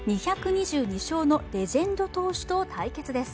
２２２勝のレジェンド投手と対決です。